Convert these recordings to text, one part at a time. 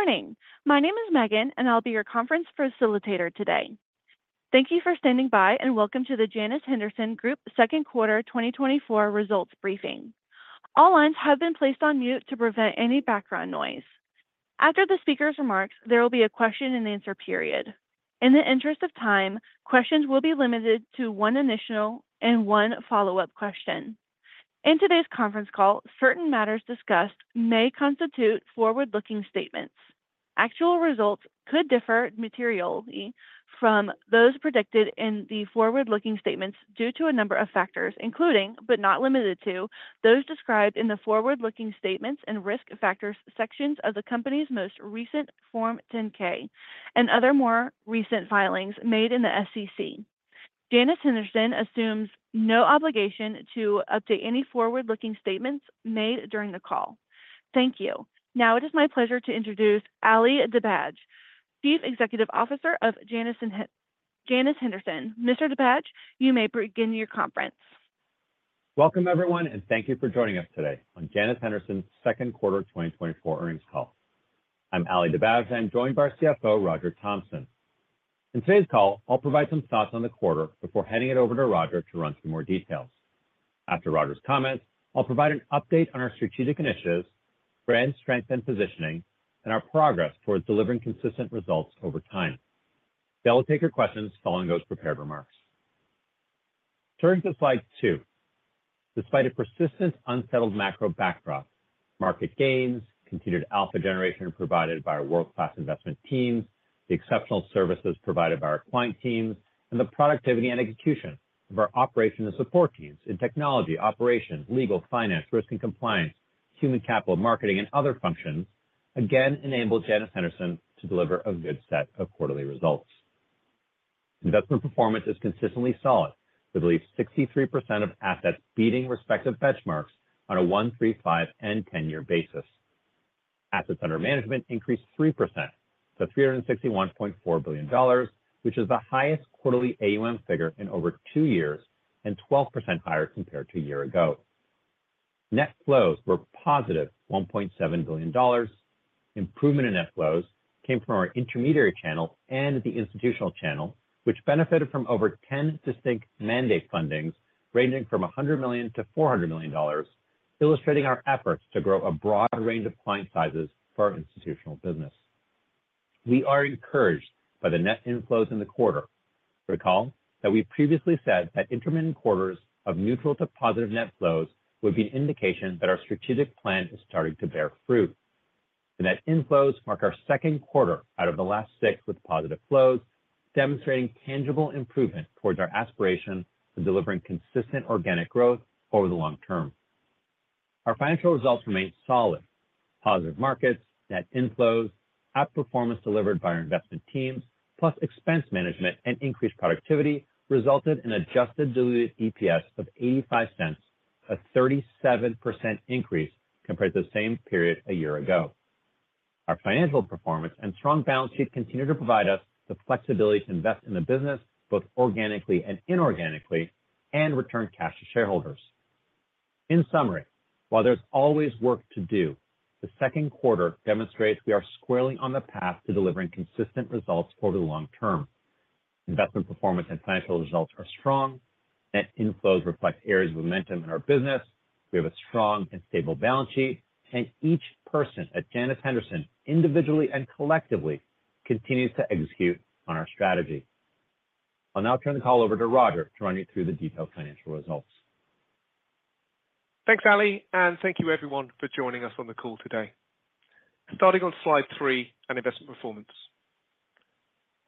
Good morning. My name is Megan, and I'll be your conference facilitator today. Thank you for standing by, and welcome to the Janus Henderson Group Second Quarter 2024 Results Briefing. All lines have been placed on mute to prevent any background noise. After the speaker's remarks, there will be a question and answer period. In the interest of time, questions will be limited to one initial and one follow-up question. In today's conference call, certain matters discussed may constitute forward-looking statements. Actual results could differ materially from those predicted in the forward-looking statements due to a number of factors, including, but not limited to, those described in the forward-looking statements and risk factors sections of the company's most recent Form 10-K and other more recent filings made in the SEC. Janus Henderson assumes no obligation to update any forward-looking statements made during the call. Thank you. Now it is my pleasure to introduce Ali Dibadj, Chief Executive Officer of Janus Henderson. Mr. Dibadj, you may begin your conference. Welcome, everyone, and thank you for joining us today on Janus Henderson's second quarter 2024 earnings call. I'm Ali Dibadj, and I'm joined by our CFO, Roger Thompson. In today's call, I'll provide some thoughts on the quarter before handing it over to Roger to run through more details. After Roger's comments, I'll provide an update on our strategic initiatives, brand strength and positioning, and our progress towards delivering consistent results over time. Then we'll take your questions following those prepared remarks. Turning to slide two. Despite a persistent, unsettled macro backdrop, market gains, continued alpha generation provided by our world-class investment teams, the exceptional services provided by our client teams, and the productivity and execution of our operation and support teams in technology, operations, legal, finance, risk and compliance, human capital, marketing, and other functions, again, enabled Janus Henderson to deliver a good set of quarterly results. Investment performance is consistently solid, with at least 63% of assets beating respective benchmarks on a one-, three-, five-, and 10-year basis. Assets under management increased 3% to $361.4 billion, which is the highest quarterly AUM figure in over two years and 12% higher compared to a year ago. Net flows were positive $1.7 billion. Improvement in net flows came from our intermediary channel and the institutional channel, which benefited from over 10 distinct mandate fundings, ranging from $100 million-$400 million, illustrating our efforts to grow a broad range of client sizes for our institutional business. We are encouraged by the net inflows in the quarter. Recall that we previously said that intermittent quarters of neutral to positive net flows would be an indication that our strategic plan is starting to bear fruit. The net inflows mark our second quarter out of the last six with positive flows, demonstrating tangible improvement towards our aspiration of delivering consistent organic growth over the long term. Our financial results remain solid. Positive markets, net inflows, outperformance delivered by our investment teams, plus expense management and increased productivity resulted in Adjusted Diluted EPS of $0.85, a 37% increase compared to the same period a year ago. Our financial performance and strong balance sheet continue to provide us the flexibility to invest in the business, both organically and inorganically, and return cash to shareholders. In summary, while there's always work to do, the second quarter demonstrates we are squarely on the path to delivering consistent results over the long term. Investment performance and financial results are strong. Net inflows reflect areas of momentum in our business. We have a strong and stable balance sheet, and each person at Janus Henderson, individually and collectively, continues to execute on our strategy. I'll now turn the call over to Roger to run you through the detailed financial results. Thanks, Ali, and thank you everyone for joining us on the call today. Starting on slide three on investment performance.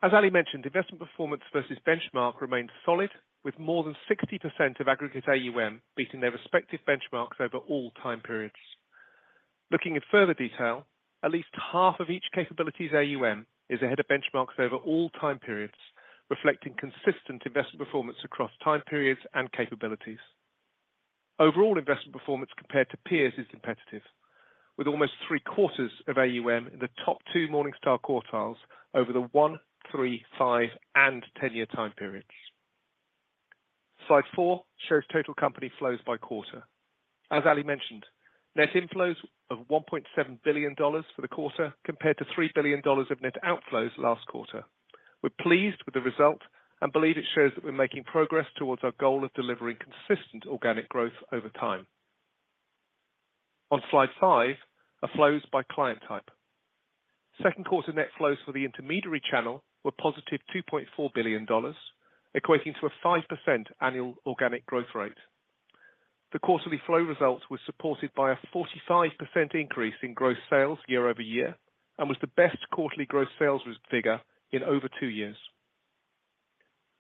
As Ali mentioned, investment performance versus benchmark remained solid, with more than 60% of aggregate AUM beating their respective benchmarks over all time periods. Looking in further detail, at least half of each capability's AUM is ahead of benchmarks over all time periods, reflecting consistent investment performance across time periods and capabilities. Overall investment performance compared to peers is competitive, with almost three-quarters of AUM in the top two Morningstar quartiles over the one-, three-, five-, and 10-year time periods. Slide four shows total company flows by quarter. As Ali mentioned, net inflows of $1.7 billion for the quarter compared to $3 billion of net outflows last quarter. We're pleased with the result and believe it shows that we're making progress towards our goal of delivering consistent organic growth over time. On slide five are flows by client type. Second quarter net flows for the intermediary channel were positive $2.4 billion, equating to a 5% annual organic growth rate. The quarterly flow results were supported by a 45% increase in gross sales year-over-year, and was the best quarterly gross sales figure in over two years.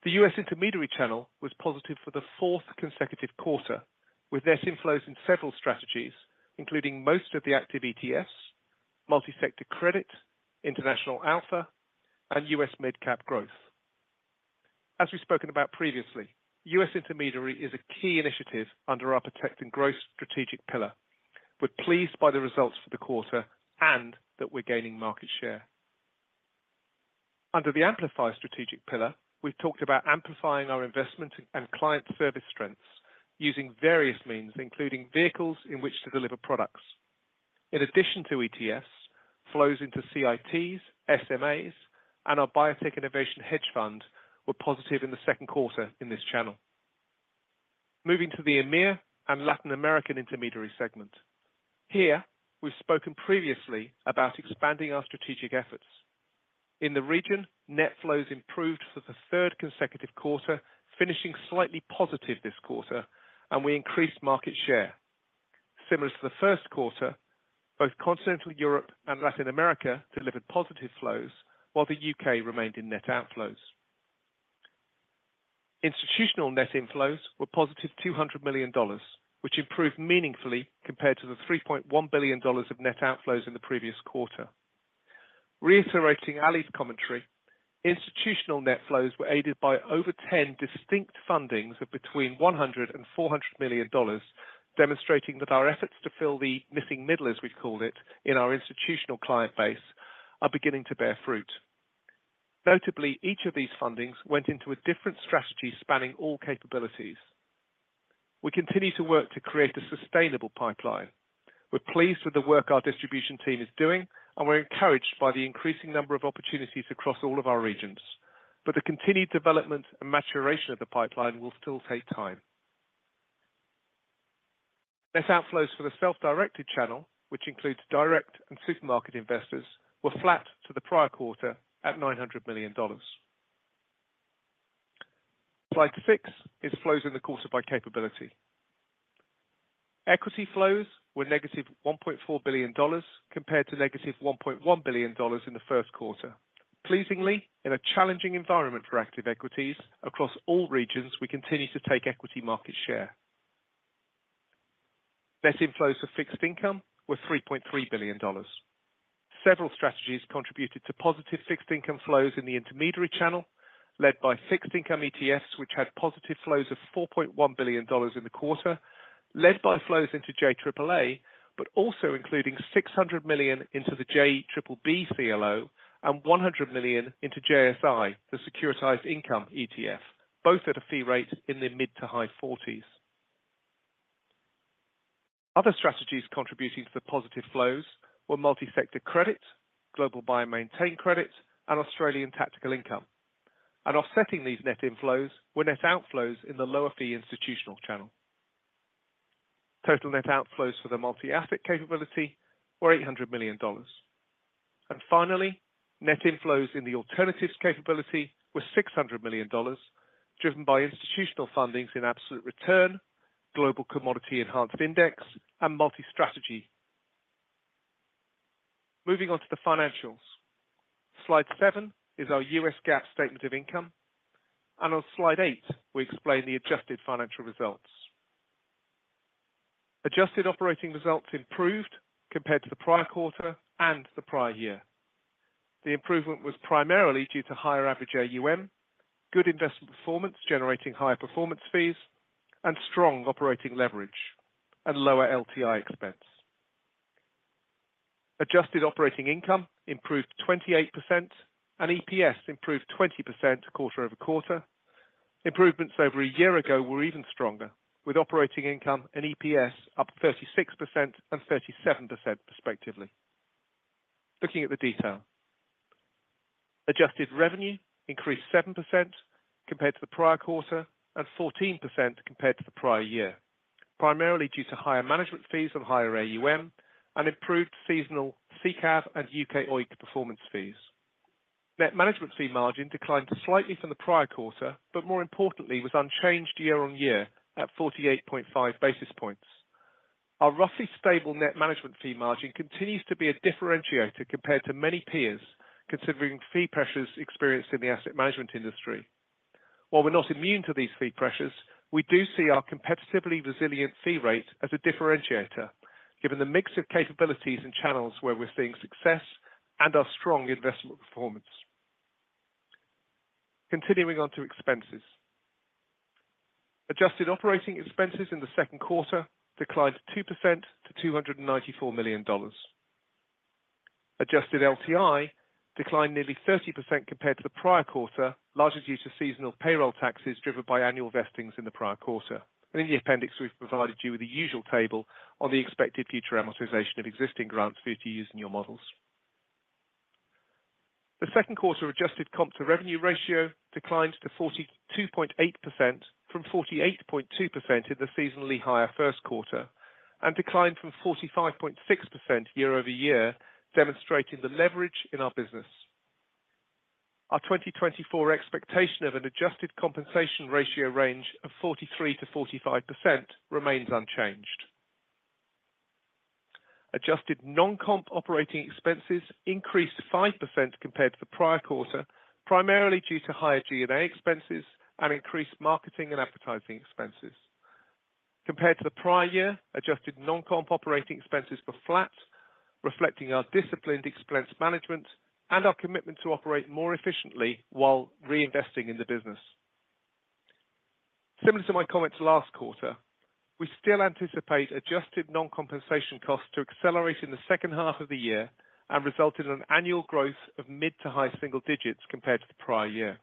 The U.S. intermediary channel was positive for the fourth consecutive quarter, with net inflows in several strategies, including most of the active ETFs, Multi-Sector Credit, International Alpha, and U.S. Mid-Cap Growth. As we've spoken about previously, U.S. intermediary is a key initiative under our Protect and Growth strategic pillar. We're pleased by the results for the quarter and that we're gaining market share. Under the Amplify strategic pillar, we've talked about amplifying our investment and client service strengths using various means, including vehicles in which to deliver products. In addition to ETFs, flows into CITs, SMAs, and our biotech innovation hedge fund were positive in the second quarter in this channel. Moving to the EMEA and Latin American intermediary segment. Here, we've spoken previously about expanding our strategic efforts. In the region, net flows improved for the third consecutive quarter, finishing slightly positive this quarter, and we increased market share. Similar to the first quarter, both continental Europe and Latin America delivered positive flows, while the U.K. remained in net outflows. Institutional net inflows were positive $200 million, which improved meaningfully compared to the $3.1 billion of net outflows in the previous quarter. Reiterating Ali's commentary, institutional net flows were aided by over 10 distinct fundings of between $100 million and $400 million, demonstrating that our efforts to fill the missing middle, as we've called it, in our institutional client base, are beginning to bear fruit. Notably, each of these fundings went into a different strategy spanning all capabilities. We continue to work to create a sustainable pipeline. We're pleased with the work our distribution team is doing, and we're encouraged by the increasing number of opportunities across all of our regions. But the continued development and maturation of the pipeline will still take time. Net outflows for the self-directed channel, which includes direct and supermarket investors, were flat to the prior quarter at $900 million. Slide six is flows in the quarter by capability. Equity flows were -$1.4 billion, compared to -$1.1 billion in the first quarter. Pleasingly, in a challenging environment for active equities across all regions, we continue to take equity market share. Net inflows for fixed income were $3.3 billion. Several strategies contributed to positive fixed income flows in the intermediary channel, led by fixed income ETFs, which had positive flows of $4.1 billion in the quarter, led by flows into JAAA, but also including $600 million into the JBBB CLO and $100 million into JSI, the securitized income ETF, both at a fee rate in the mid- to high 40s. Other strategies contributing to the positive flows were multi-factor credit, Global Buy and Maintain Credit, and Australian Tactical Income. Offsetting these net inflows were net outflows in the lower fee institutional channel. Total net outflows for the multi-asset capability were $800 million. And finally, net inflows in the alternatives capability were $600 million, driven by institutional fundings in Absolute Return, Global Commodity Enhanced Index, and Multi-Strategy. Moving on to the financials. Slide seven is our US GAAP statement of income, and on Slide eight, we explain the adjusted financial results. Adjusted operating results improved compared to the prior quarter and the prior year. The improvement was primarily due to higher average AUM, good investment performance, generating higher performance fees, and strong operating leverage and lower LTI expense. Adjusted operating income improved 28% and EPS improved 20% quarter-over-quarter. Improvements over a year ago were even stronger, with operating income and EPS up 36% and 37% respectively. Looking at the detail. Adjusted revenue increased 7% compared to the prior quarter and 14% compared to the prior year, primarily due to higher management fees and higher AUM and improved seasonal SICAV and U.K. OEIC performance fees. Net management fee margin declined slightly from the prior quarter, but more importantly, was unchanged year-on-year at 48.5 basis points. Our roughly stable net management fee margin continues to be a differentiator compared to many peers, considering fee pressures experienced in the asset management industry. While we're not immune to these fee pressures, we do see our competitively resilient fee rate as a differentiator, given the mix of capabilities and channels where we're seeing success and our strong investment performance. Continuing on to expenses. Adjusted operating expenses in the second quarter declined 2% to $294 million. Adjusted LTI declined nearly 30% compared to the prior quarter, largely due to seasonal payroll taxes, driven by annual vestings in the prior quarter. In the appendix, we've provided you with the usual table on the expected future amortization of existing grants for you to use in your models. The second quarter adjusted comp to revenue ratio declined to 42.8% from 48.2% in the seasonally higher first quarter, and declined from 45.6% year-over-year, demonstrating the leverage in our business. Our 2024 expectation of an adjusted compensation ratio range of 43%-45% remains unchanged. Adjusted non-comp operating expenses increased 5% compared to the prior quarter, primarily due to higher G&A expenses and increased marketing and advertising expenses. Compared to the prior year, adjusted non-comp operating expenses were flat, reflecting our disciplined expense management and our commitment to operate more efficiently while reinvesting in the business. Similar to my comments last quarter, we still anticipate adjusted non-compensation costs to accelerate in the second half of the year and result in an annual growth of mid to high single digits compared to the prior year.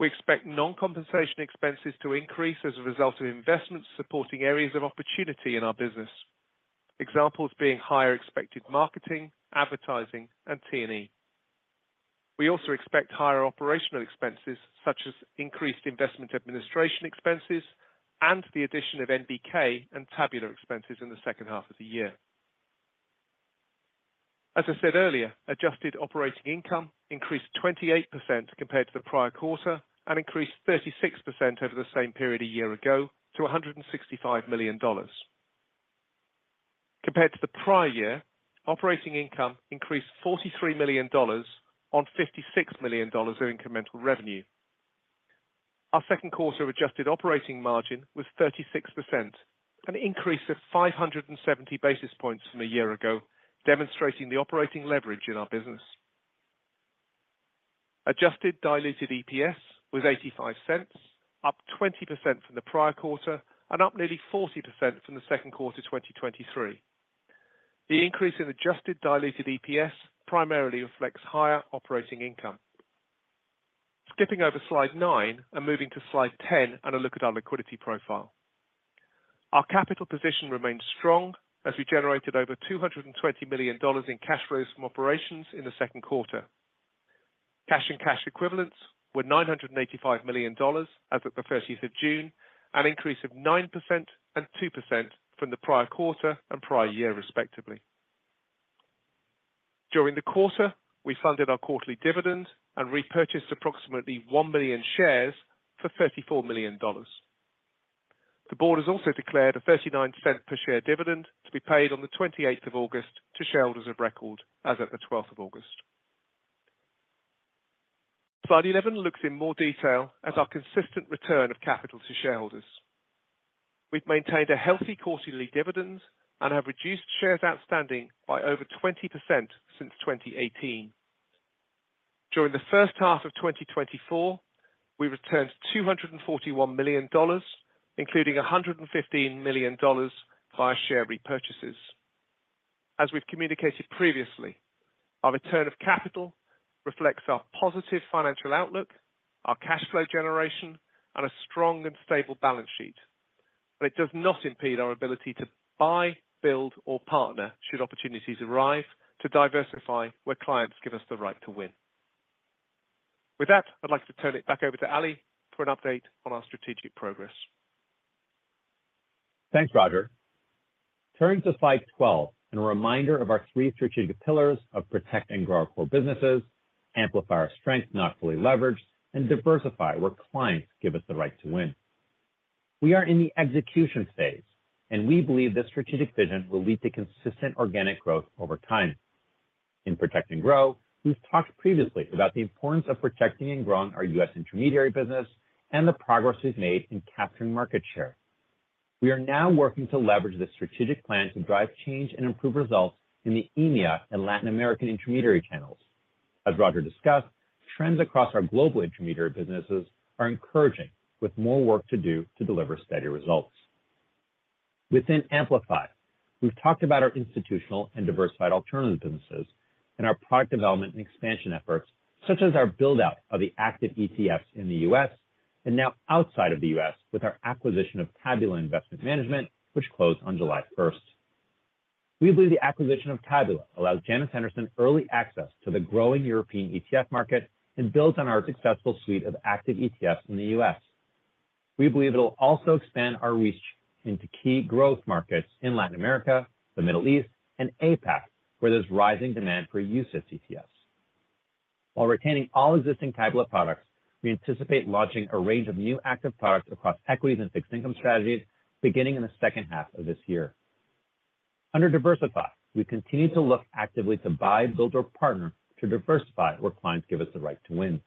We expect non-compensation expenses to increase as a result of investments supporting areas of opportunity in our business. Examples being higher expected marketing, advertising, and T&E. We also expect higher operational expenses, such as increased investment administration expenses and the addition of NBK and Tabula expenses in the second half of the year. As I said earlier, adjusted operating income increased 28% compared to the prior quarter and increased 36% over the same period a year ago to $165 million. Compared to the prior year, operating income increased $43 million on $56 million of incremental revenue. Our second quarter adjusted operating margin was 36%, an increase of 570 basis points from a year ago, demonstrating the operating leverage in our business. Adjusted diluted EPS was $0.85, up 20% from the prior quarter and up nearly 40% from the second quarter of 2023. The increase in adjusted diluted EPS primarily reflects higher operating income. Skipping over slide nine and moving to slide ten and a look at our liquidity profile. Our capital position remains strong as we generated over $220 million in cash flows from operations in the second quarter. Cash and cash equivalents were $985 million as of the 30th of June, an increase of 9% and 2% from the prior quarter and prior year, respectively. During the quarter, we funded our quarterly dividend and repurchased approximately one million shares for $34 million. The board has also declared a $0.39 per share dividend to be paid on the 28th of August to shareholders of record as at the 12th of August. Slide 11 looks in more detail at our consistent return of capital to shareholders. We've maintained a healthy quarterly dividend and have reduced shares outstanding by over 20% since 2018. During the first half of 2024, we returned $241 million, including $115 million via share repurchases. As we've communicated previously, our return of capital reflects our positive financial outlook, our cash flow generation, and a strong and stable balance sheet. But it does not impede our ability to buy, build, or partner should opportunities arise, to diversify where clients give us the right to win. With that, I'd like to turn it back over to Ali for an update on our strategic progress. Thanks, Roger. Turning to slide 12 and a reminder of our three strategic pillars of protect and grow our core businesses, amplify our strength, not fully leverage, and diversify where clients give us the right to win. We are in the execution phase, and we believe this strategic vision will lead to consistent organic growth over time. In protect and grow, we've talked previously about the importance of protecting and growing our U.S. intermediary business and the progress we've made in capturing market share. We are now working to leverage this strategic plan to drive change and improve results in the EMEA and Latin American intermediary channels. As Roger discussed, trends across our global intermediary businesses are encouraging, with more work to do to deliver steady results. Within Amplify, we've talked about our institutional and diversified alternative businesses and our product development and expansion efforts, such as our build-out of the active ETFs in the U.S. and now outside of the U.S. with our acquisition of Tabula Investment Management, which closed on July first. We believe the acquisition of Tabula allows Janus Henderson early access to the growing European ETF market and builds on our successful suite of active ETFs in the U.S. We believe it'll also expand our reach into key growth markets in Latin America, the Middle East, and APAC, where there's rising demand for use of ETFs. While retaining all existing Tabula products, we anticipate launching a range of new active products across equities and fixed income strategies beginning in the second half of this year. Under Diversify, we continue to look actively to buy, build, or partner to diversify where clients give us the right to win.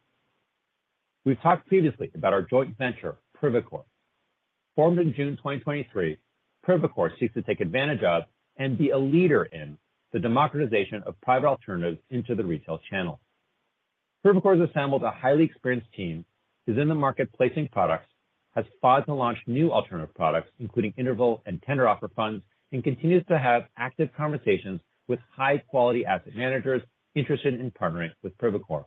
We've talked previously about our joint venture, Privacore. Formed in June 2023, Privacore seeks to take advantage of and be a leader in the democratization of private alternatives into the retail channel. Privacore has assembled a highly experienced team, is in the market placing products, has filed to launch new alternative products, including interval and tender offer funds, and continues to have active conversations with high-quality asset managers interested in partnering with Privacore.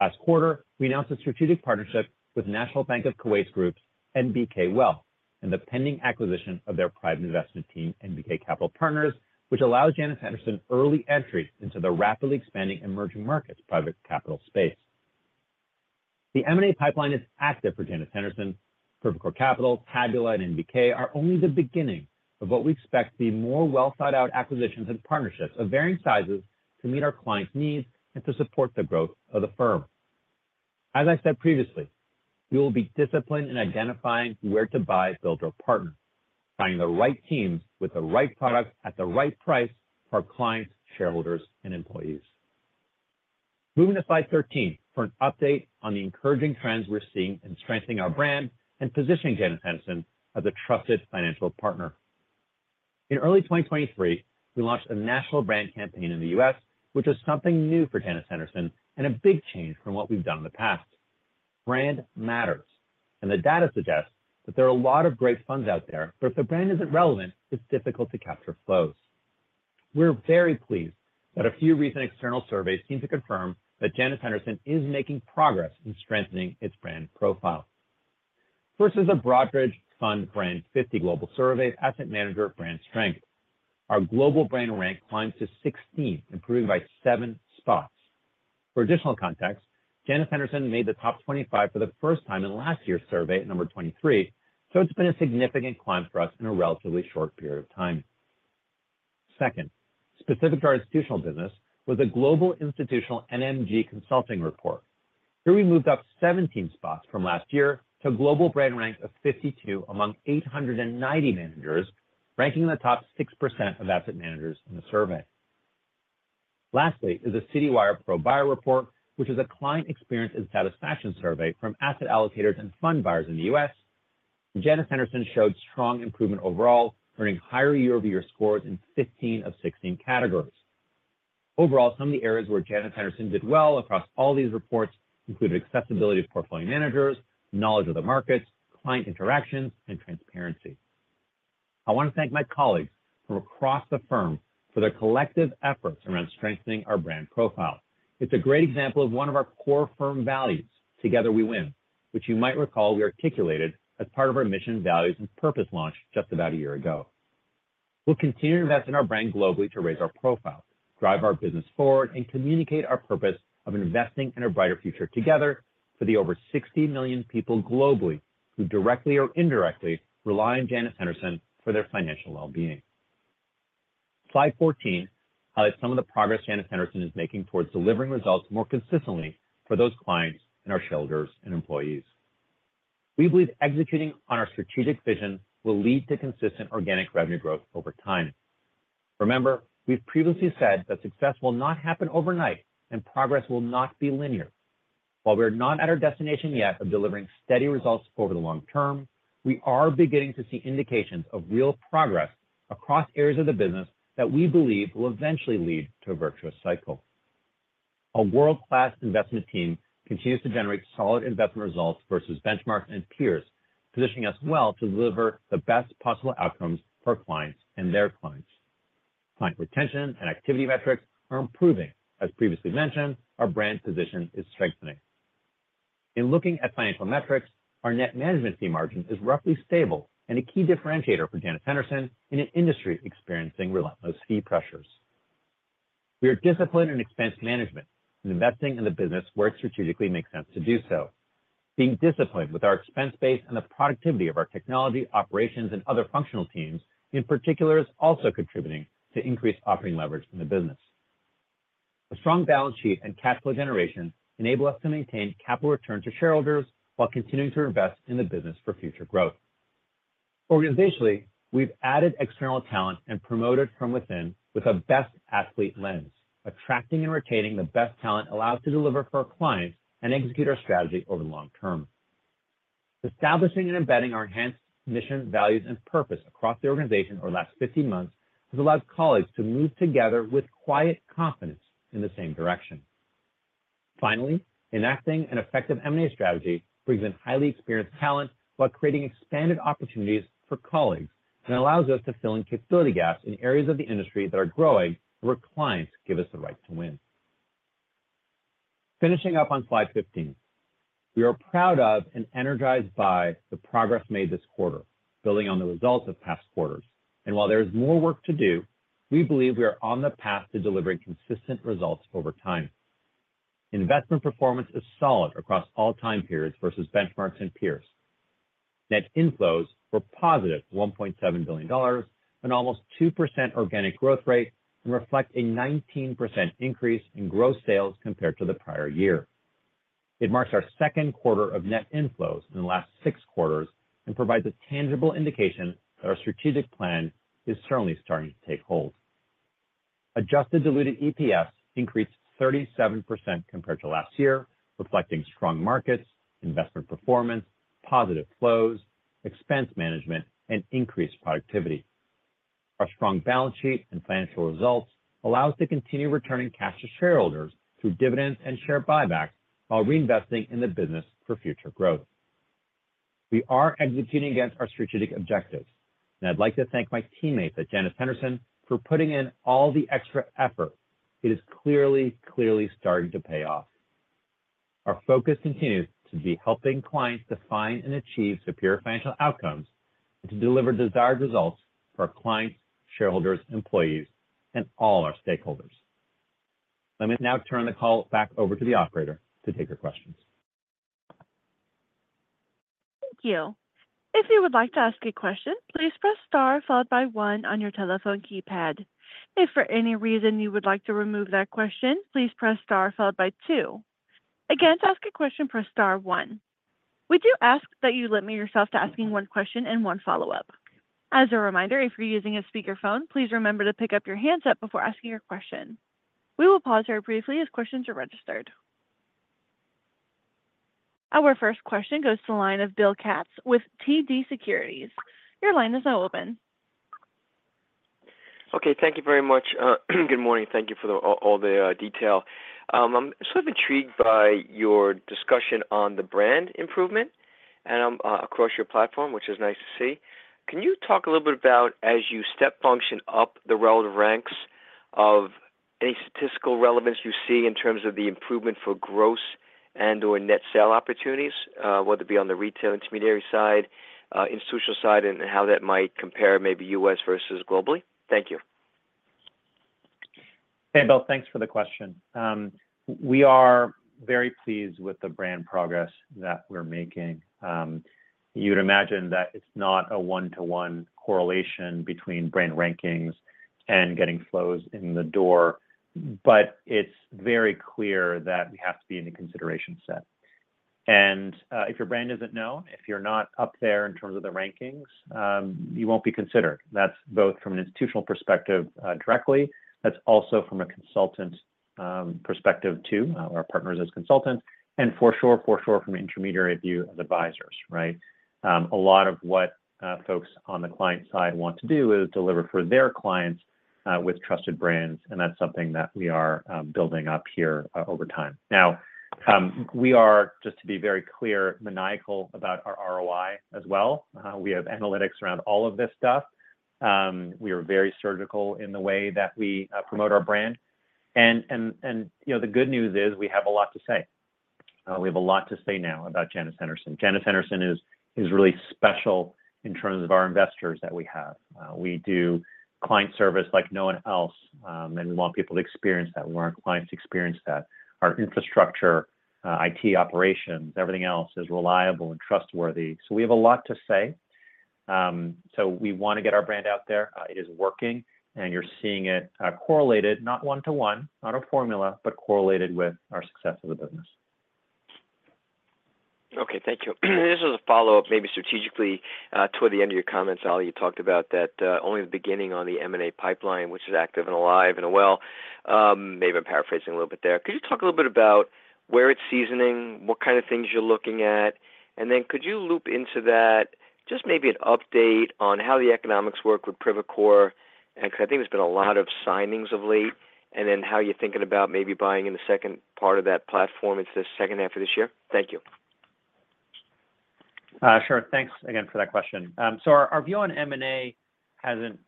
Last quarter, we announced a strategic partnership with National Bank of Kuwait Group's NBK Wealth and the pending acquisition of their private investment team, NBK Capital Partners, which allows Janus Henderson early entry into the rapidly expanding emerging markets private capital space. The M&A pipeline is active for Janus Henderson. Privacore Capital, Tabula, and NBK are only the beginning of what we expect to be more well-thought-out acquisitions and partnerships of varying sizes to meet our clients' needs and to support the growth of the firm. As I said previously, we will be disciplined in identifying where to buy, build, or partner, finding the right teams with the right product at the right price for our clients, shareholders, and employees. Moving to slide 13 for an update on the encouraging trends we're seeing in strengthening our brand and positioning Janus Henderson as a trusted financial partner. In early 2023, we launched a national brand campaign in the U.S., which is something new for Janus Henderson and a big change from what we've done in the past. Brand matters, and the data suggests that there are a lot of great funds out there, but if the brand isn't relevant, it's difficult to capture flows. We're very pleased that a few recent external surveys seem to confirm that Janus Henderson is making progress in strengthening its brand profile. First is a Broadridge Fund-Brand 50 Global Survey Asset Manager Brand Strength. Our global brand rank climbed to 16th, improving by seven spots. For additional context, Janus Henderson made the top 25 for the first time in last year's survey at number 23, so it's been a significant climb for us in a relatively short period of time. Second, specific to our institutional business, was a Global Institutional NMG Consulting Report. Here we moved up 17 spots from last year to a global brand rank of 52 among 890 managers, ranking in the top 6% of asset managers in the survey. Lastly is the Citywire Pro Buyer Report, which is a client experience and satisfaction survey from asset allocators and fund buyers in the U.S. Janus Henderson showed strong improvement overall, earning higher year-over-year scores in 15 of 16 categories. Overall, some of the areas where Janus Henderson did well across all these reports included accessibility of portfolio managers, knowledge of the markets, client interactions, and transparency. I want to thank my colleagues from across the firm for their collective efforts around strengthening our brand profile. It's a great example of one of our core firm values, Together we win, which you might recall we articulated as part of our mission, values, and purpose launch just about a year ago. We'll continue to invest in our brand globally to raise our profile, drive our business forward, and communicate our purpose of investing in a brighter future together for the over 60 million people globally who directly or indirectly rely on Janus Henderson for their financial well-being. Slide 14 highlights some of the progress Janus Henderson is making towards delivering results more consistently for those clients and our shareholders and employees. We believe executing on our strategic vision will lead to consistent organic revenue growth over time. Remember, we've previously said that success will not happen overnight and progress will not be linear. While we're not at our destination yet of delivering steady results over the long term, we are beginning to see indications of real progress across areas of the business that we believe will eventually lead to a virtuous cycle. Our world-class investment team continues to generate solid investment results versus benchmarks and peers, positioning us well to deliver the best possible outcomes for our clients and their clients. Client retention and activity metrics are improving. As previously mentioned, our brand position is strengthening. In looking at financial metrics, our net management fee margin is roughly stable and a key differentiator for Janus Henderson in an industry experiencing relentless fee pressures. We are disciplined in expense management and investing in the business where it strategically makes sense to do so. Being disciplined with our expense base and the productivity of our technology, operations, and other functional teams in particular, is also contributing to increased operating leverage in the business. A strong balance sheet and cash flow generation enable us to maintain capital return to shareholders while continuing to invest in the business for future growth. Organizationally, we've added external talent and promoted from within with a best athlete lens. Attracting and retaining the best talent allows us to deliver for our clients and execute our strategy over the long term. Establishing and embedding our enhanced mission, values, and purpose across the organization over the last 15 months has allowed colleagues to move together with quiet confidence in the same direction. Finally, enacting an effective M&A strategy brings in highly experienced talent while creating expanded opportunities for colleagues and allows us to fill in capability gaps in areas of the industry that are growing, where clients give us the right to win. Finishing up on slide 15. We are proud of and energized by the progress made this quarter, building on the results of past quarters. While there is more work to do, we believe we are on the path to delivering consistent results over time. Investment performance is solid across all time periods versus benchmarks and peers. Net inflows were positive, $1.7 billion, an almost 2% organic growth rate, and reflect a 19% increase in gross sales compared to the prior year. It marks our second quarter of net inflows in the last six quarters and provides a tangible indication that our strategic plan is certainly starting to take hold. Adjusted Diluted EPS increased 37% compared to last year, reflecting strong markets, investment performance, positive flows, expense management, and increased productivity. Our strong balance sheet and financial results allow us to continue returning cash to shareholders through dividends and share buybacks while reinvesting in the business for future growth. We are executing against our strategic objectives, and I'd like to thank my teammates at Janus Henderson for putting in all the extra effort. It is clearly, clearly starting to pay off. Our focus continues to be helping clients define and achieve superior financial outcomes and to deliver desired results for our clients, shareholders, employees, and all our stakeholders. Let me now turn the call back over to the operator to take your questions. Thank you. If you would like to ask a question, please press Star followed by one on your telephone keypad. If for any reason you would like to remove that question, please press Star followed by two. Again, to ask a question, press Star one. We do ask that you limit yourself to asking one question and one follow-up. As a reminder, if you're using a speakerphone, please remember to pick up your handset before asking your question. We will pause here briefly as questions are registered. Our first question goes to the line of Bill Katz with TD Securities. Your line is now open. Okay, thank you very much. Good morning. Thank you for the all the detail. I'm sort of intrigued by your discussion on the brand improvement and across your platform, which is nice to see. Can you talk a little bit about as you step function up the relative ranks, of any statistical relevance you see in terms of the improvement for gross and/or net sale opportunities, whether it be on the retail intermediary side, institutional side, and how that might compare, maybe U.S. versus globally? Thank you. Hey, Bill. Thanks for the question. We are very pleased with the brand progress that we're making. You would imagine that it's not a one-to-one correlation between brand rankings and getting flows in the door, but it's very clear that we have to be in the consideration set. And, if your brand isn't known, if you're not up there in terms of the rankings, you won't be considered. That's both from an institutional perspective, directly, that's also from a consultant perspective, too, our partners as consultants, and for sure, for sure from intermediary view of advisors, right? A lot of what, folks on the client side want to do is deliver for their clients, with trusted brands, and that's something that we are, building up here, over time. Now, we are, just to be very clear, maniacal about our ROI as well. We have analytics around all of this stuff. We are very surgical in the way that we promote our brand. And, you know, the good news is, we have a lot to say. We have a lot to say now about Janus Henderson. Janus Henderson is really special in terms of our investors that we have. We do client service like no one else, and we want people to experience that. We want our clients to experience that. Our infrastructure, IT operations, everything else is reliable and trustworthy. So we have a lot to say. So we want to get our brand out there. It is working, and you're seeing it, correlated, not one to one, not a formula, but correlated with our success of the business. Okay. Thank you. This is a follow-up, maybe strategically, toward the end of your comments, Ali, you talked about that, only the beginning on the M&A pipeline, which is active and alive and well, may have been paraphrasing a little bit there. Could you talk a little bit about where it's seasoning, what kind of things you're looking at? And then could you loop into that, just maybe an update on how the economics work with Privacore, and because I think there's been a lot of signings of late, and then how you're thinking about maybe buying in the second part of that platform into the second half of this year. Thank you. Sure. Thanks again for that question. So our view on M&A hasn't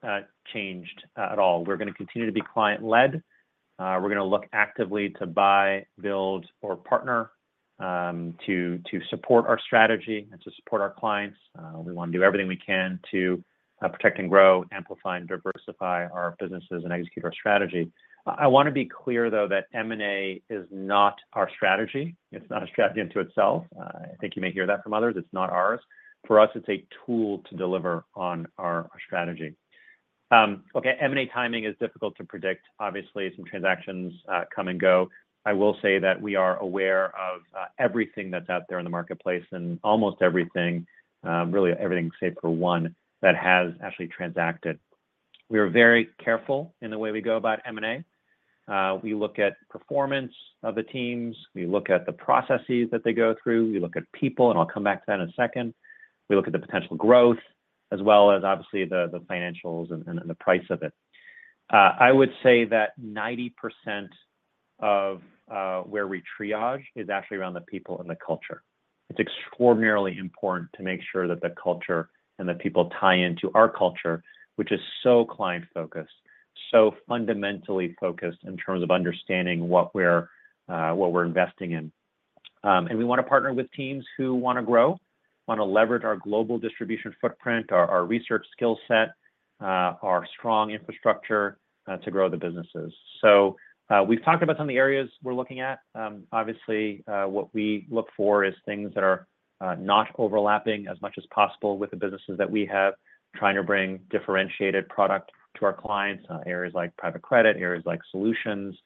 changed at all. We're gonna continue to be client-led. We're gonna look actively to buy, build, or partner to support our strategy and to support our clients. We want to do everything we can to protect and grow, amplify and diversify our businesses and execute our strategy. I want to be clear, though, that M&A is not our strategy. It's not a strategy unto itself. I think you may hear that from others. It's not ours. For us, it's a tool to deliver on our strategy. Okay, M&A timing is difficult to predict. Obviously, some transactions come and go. I will say that we are aware of everything that's out there in the marketplace, and almost everything, really everything save for one that has actually transacted. We are very careful in the way we go about M&A. We look at performance of the teams, we look at the processes that they go through, we look at people, and I'll come back to that in a second. We look at the potential growth, as well as obviously the financials and the price of it. I would say that 90% of where we triage is actually around the people and the culture. It's extraordinarily important to make sure that the culture and the people tie into our culture, which is so client-focused, so fundamentally focused in terms of understanding what we're investing in. We want to partner with teams who want to grow, want to leverage our global distribution footprint, our, our research skill set, our strong infrastructure, to grow the businesses. We've talked about some of the areas we're looking at. Obviously, what we look for is things that are, not overlapping as much as possible with the businesses that we have, trying to bring differentiated product to our clients, areas like private credit, areas like solutions,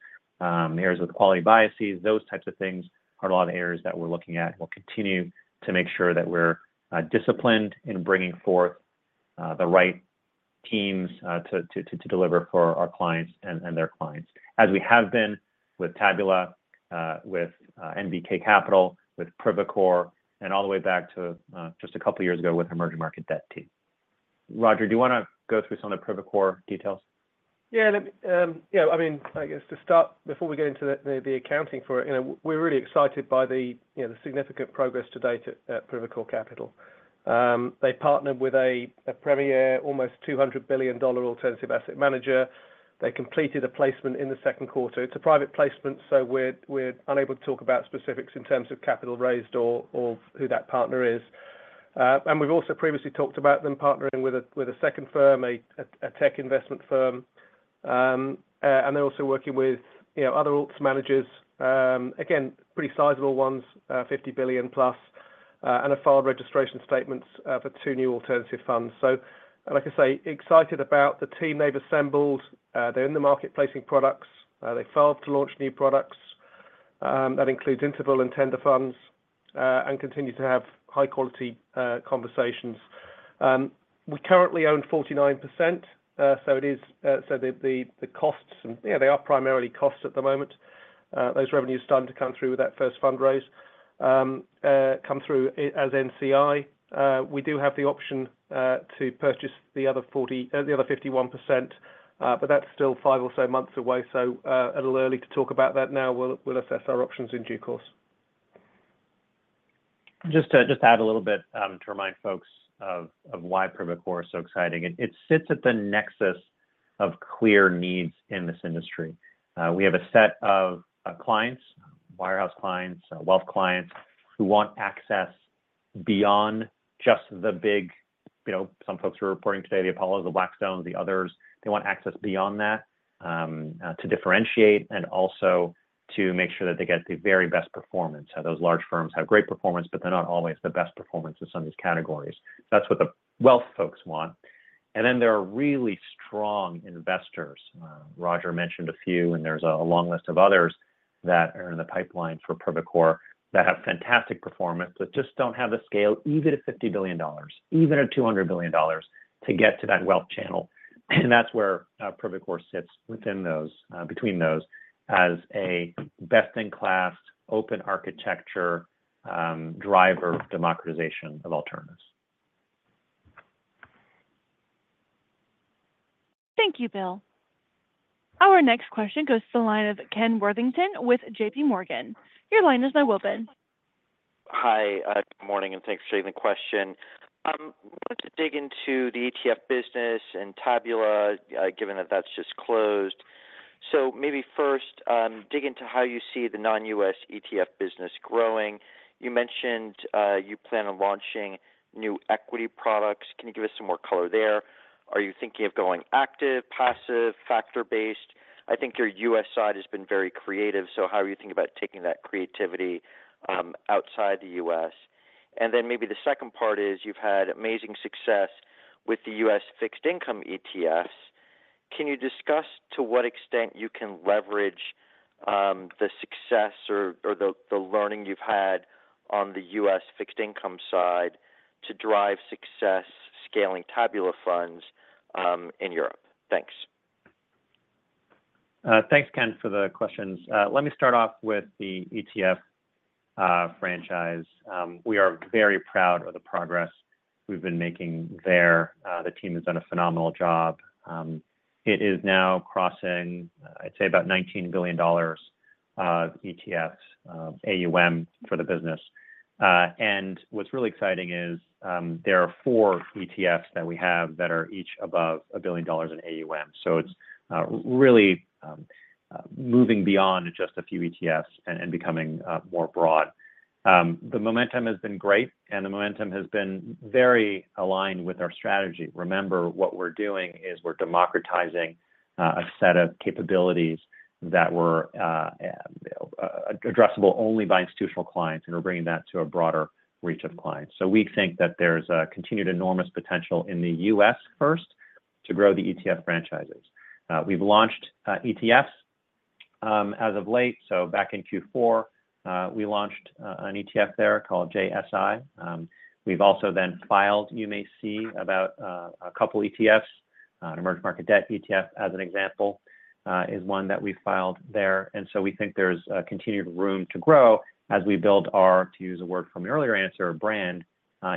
areas with quality biases. Those types of things are a lot of areas that we're looking at. We'll continue to make sure that we're disciplined in bringing forth the right teams to deliver for our clients and their clients, as we have been with Tabula, with NBK Capital, with Privacore, and all the way back to just a couple of years ago with Emerging Market Debt Team. Roger, do you want to go through some of the Privacore details? Yeah, let me... Yeah, I mean, I guess to start, before we get into the accounting for it, you know, we're really excited by the, you know, the significant progress to date at Privacore Capital. They partnered with a premier, almost $200 billion alternative asset manager. They completed a placement in the second quarter. It's a private placement, so we're unable to talk about specifics in terms of capital raised or who that partner is. And we've also previously talked about them partnering with a second firm, a tech investment firm. And they're also working with, you know, other alts managers, again, pretty sizable ones, $50 billion plus, and have filed registration statements for two new alternative funds. So, like I say, excited about the team they've assembled. They're in the market placing products. They failed to launch new products, that includes interval and tender funds, and continue to have high-quality conversations. We currently own 49%, so it is, so the costs and, yeah, they are primarily costs at the moment. Those revenues starting to come through with that first fundraise, come through as NCI. We do have the option to purchase the other 51%, but that's still five or so months away, so, a little early to talk about that now. We'll assess our options in due course. Just to add a little bit to remind folks of why Privacore's are so exciting. It sits at the nexus of clear needs in this industry. We have a set of clients, wirehouse clients, wealth clients, who want access beyond just the big... You know, some folks who are reporting today, the Apollo, the Blackstone, the others, they want access beyond that to differentiate and also to make sure that they get the very best performance. So those large firms have great performance, but they're not always the best performance in some of these categories. That's what the wealth folks want. Then there are really strong investors, Roger mentioned a few, and there's a long list of others that are in the pipeline for Privacore, that have fantastic performance, but just don't have the scale, even at $50 billion, even at $200 billion, to get to that wealth channel. And that's where, Privacore sits within those, between those as a best-in-class, open architecture, driver of democratization of alternatives. Thank you, Bill. Our next question goes to the line of Ken Worthington with JPMorgan. Your line is now open. Hi, good morning, and thanks for taking the question. I wanted to dig into the ETF business and Tabula, given that that's just closed. So maybe first, dig into how you see the non-U.S. ETF business growing. You mentioned, you plan on launching new equity products. Can you give us some more color there? Are you thinking of going active, passive, factor-based? I think your U.S. side has been very creative, so how are you thinking about taking that creativity, outside the U.S.? And then maybe the second part is, you've had amazing success with the U.S. fixed income ETFs. Can you discuss to what extent you can leverage, the success or the learning you've had on the U.S. fixed income side to drive success scaling Tabula funds, in Europe? Thanks. Thanks, Ken, for the questions. Let me start off with the ETF franchise. We are very proud of the progress we've been making there. The team has done a phenomenal job. It is now crossing, I'd say about $19 billion, ETFs AUM for the business. And what's really exciting is, there are four ETFs that we have that are each above $1 billion in AUM. So it's really moving beyond just a few ETFs and becoming more broad. The momentum has been great, and the momentum has been very aligned with our strategy. Remember, what we're doing is we're democratizing a set of capabilities that were addressable only by institutional clients, and we're bringing that to a broader reach of clients. So we think that there's a continued enormous potential in the U.S. first, to grow the ETF franchises. We've launched ETFs as of late. So back in Q4, we launched an ETF there called JSI. We've also then filed, you may see, about a couple ETFs, an emerging market debt ETF, as an example, is one that we filed there. And so we think there's continued room to grow as we build our, to use a word from your earlier answer, brand,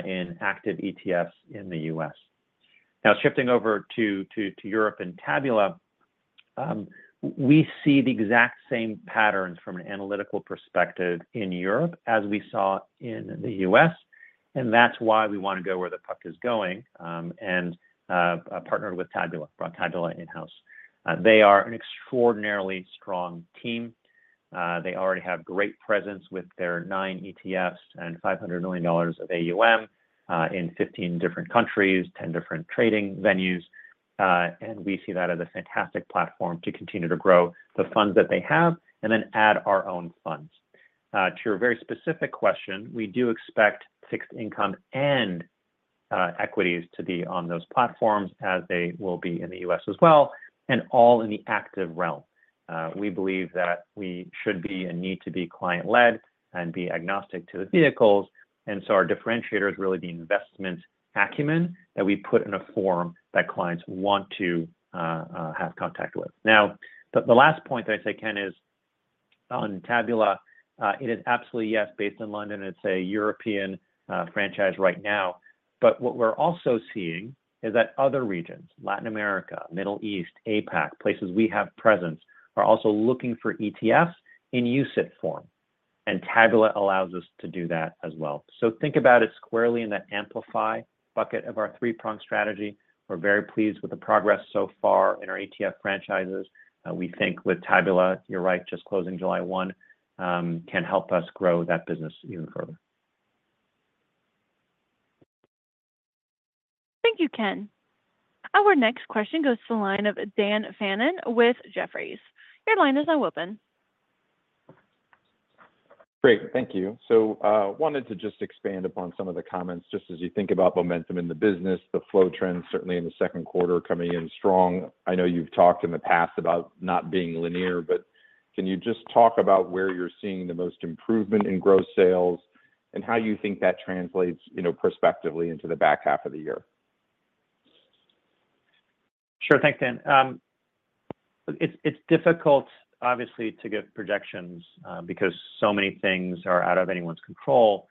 in active ETFs in the U.S. Now, shifting over to Europe and Tabula, we see the exact same patterns from an analytical perspective in Europe as we saw in the U.S., and that's why we want to go where the puck is going, and partner with Tabula, brought Tabula in-house. They are an extraordinarily strong team. They already have great presence with their nine ETFs and $500 million of AUM, in 15 different countries, 10 different trading venues. And we see that as a fantastic platform to continue to grow the funds that they have, and then add our own funds. To your very specific question, we do expect fixed income and, equities to be on those platforms as they will be in the U.S. as well, and all in the active realm. We believe that we should be and need to be client-led and be agnostic to the vehicles, and so our differentiator is really the investment acumen that we put in a form that clients want to, have contact with. Now, the last point that I'd say, Ken, is on Tabula, it is absolutely, yes, based in London, it's a European, franchise right now. But what we're also seeing is that other regions, Latin America, Middle East, APAC, places we have presence, are also looking for ETFs in UCITS form, and Tabula allows us to do that as well. So think about it squarely in that amplify bucket of our three-pronged strategy. We're very pleased with the progress so far in our ETF franchises. We think with Tabula, you're right, just closing July 1, can help us grow that business even further. Thank you, Ken. Our next question goes to the line of Dan Fannon with Jefferies. Your line is now open. Great. Thank you. So, wanted to just expand upon some of the comments, just as you think about momentum in the business, the flow trends, certainly in the second quarter, coming in strong. I know you've talked in the past about not being linear, but can you just talk about where you're seeing the most improvement in gross sales, and how you think that translates, you know, prospectively into the back half of the year?... Sure. Thanks, Dan. It's difficult, obviously, to give projections, because so many things are out of anyone's control,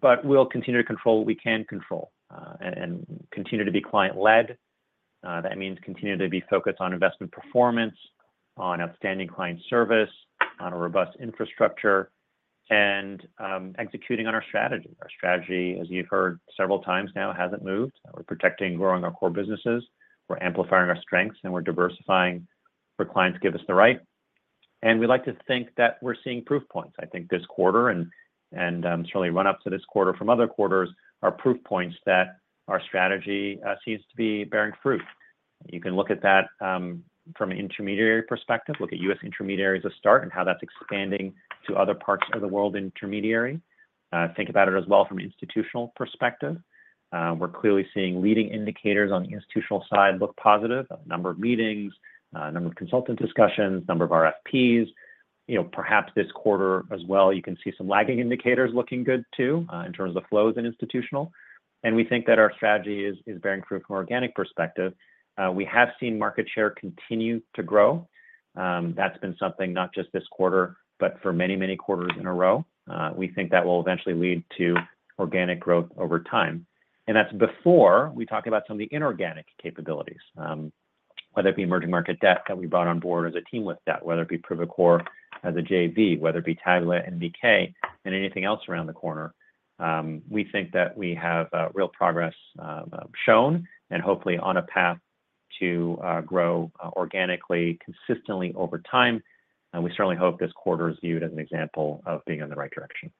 but we'll continue to control what we can control, and continue to be client-led. That means continue to be focused on investment performance, on outstanding client service, on a robust infrastructure, and executing on our strategy. Our strategy, as you've heard several times now, hasn't moved. We're protecting, growing our core businesses. We're amplifying our strengths, and we're diversifying for clients who give us the right. And we like to think that we're seeing proof points. I think this quarter, and certainly run up to this quarter from other quarters, are proof points that our strategy seems to be bearing fruit. You can look at that from an intermediary perspective. Look at U.S. intermediary as a start, and how that's expanding to other parts of the world intermediary. Think about it as well from an institutional perspective. We're clearly seeing leading indicators on the institutional side look positive. A number of meetings, a number of consultant discussions, number of RFPs. You know, perhaps this quarter as well, you can see some lagging indicators looking good too, in terms of flows in institutional. And we think that our strategy is, is bearing fruit from an organic perspective. We have seen market share continue to grow. That's been something, not just this quarter, but for many, many quarters in a row. We think that will eventually lead to organic growth over time, and that's before we talk about some of the inorganic capabilities. whether it be emerging market debt that we brought on board as a team with debt, whether it be Privacore as a JV, whether it be Tabula and NBK and anything else around the corner. We think that we have real progress shown, and hopefully on a path to grow organically, consistently over time. And we certainly hope this quarter is viewed as an example of being in the right direction.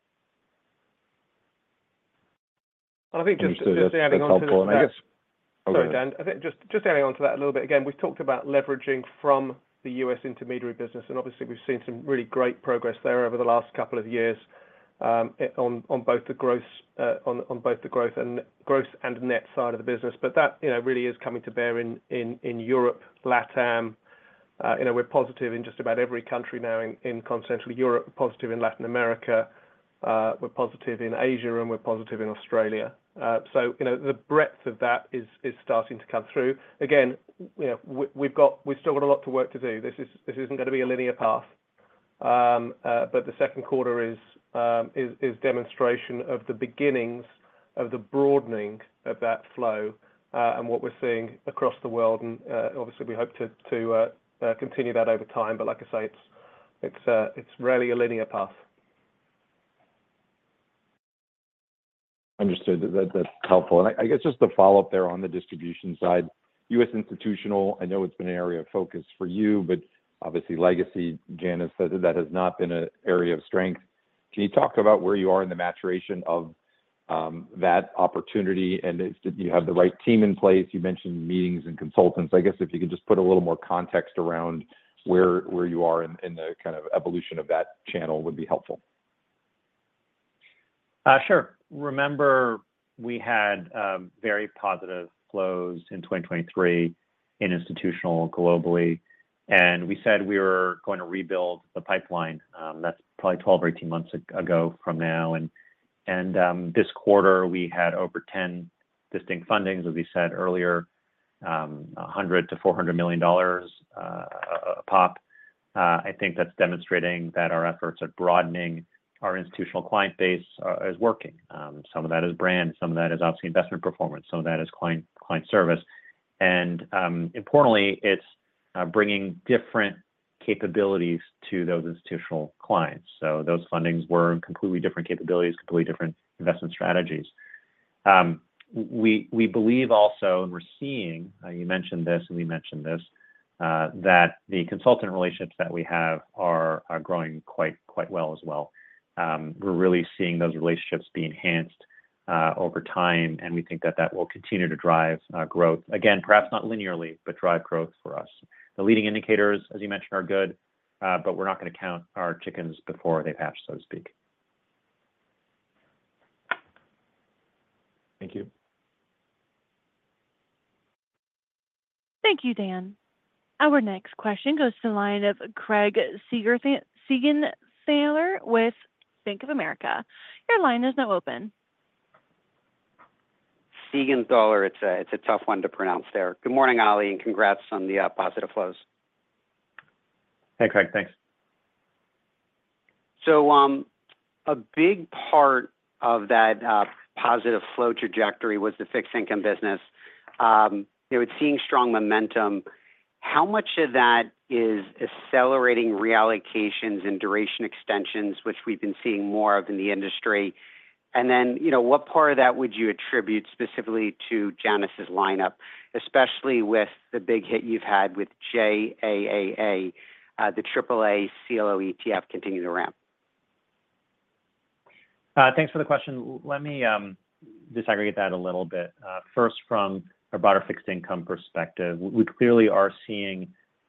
I think just, just adding on to that- That's helpful, and I guess... Sorry, Dan. I think just adding on to that a little bit. Again, we've talked about leveraging from the U.S. intermediary business, and obviously, we've seen some really great progress there over the last couple of years, on both the growth and gross and net side of the business. But that, you know, really is coming to bear in Europe, LATAM. You know, we're positive in just about every country now in Continental Europe, positive in Latin America, we're positive in Asia, and we're positive in Australia. So you know, the breadth of that is starting to come through. Again, we've still got a lot of work to do. This isn't gonna be a linear path. But the second quarter is demonstration of the beginnings of the broadening of that flow, and what we're seeing across the world. And obviously, we hope to continue that over time. But like I say, it's rarely a linear path. Understood. That, that's helpful. And I guess just to follow up there on the distribution side, U.S. Institutional, I know it's been an area of focus for you, but obviously, legacy Janus, that has not been an area of strength. Can you talk about where you are in the maturation of that opportunity, and if you have the right team in place? You mentioned meetings and consultants. I guess if you could just put a little more context around where you are in the kind of evolution of that channel would be helpful. Sure. Remember, we had very positive flows in 2023 in Institutional globally, and we said we were going to rebuild the pipeline. That's probably 12 or 18 months ago from now. And this quarter, we had over 10 distinct fundings, as we said earlier, $100 million-$400 million a pop. I think that's demonstrating that our efforts are broadening our institutional client base is working. Some of that is brand, some of that is obviously investment performance, some of that is client, client service. And importantly, it's bringing different capabilities to those institutional clients. So those fundings were completely different capabilities, completely different investment strategies. We believe also, and we're seeing, you mentioned this, and we mentioned this, that the consultant relationships that we have are growing quite well as well. We're really seeing those relationships be enhanced over time, and we think that that will continue to drive growth. Again, perhaps not linearly, but drive growth for us. The leading indicators, as you mentioned, are good, but we're not gonna count our chickens before they hatch, so to speak. Thank you. Thank you, Dan. Our next question goes to the line of Craig Siegenthaler with Bank of America. Your line is now open. Siegenthaler, it's a tough one to pronounce there. Good morning, Ali, and congrats on the positive flows. Hey, Craig. Thanks. So, a big part of that, positive flow trajectory was the fixed income business. It was seeing strong momentum. How much of that is accelerating reallocations and duration extensions, which we've been seeing more of in the industry? And then, you know, what part of that would you attribute specifically to Janus's lineup, especially with the big hit you've had with JAAA, the AAA CLO ETF continues to ramp? Thanks for the question. Let me disaggregate that a little bit. First, from a broader fixed income perspective, we clearly are seeing